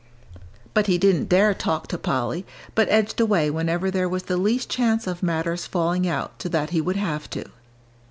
But he didn't dare talk to Polly, but edged away whenever there was the least chance of matters falling out so that he would have to.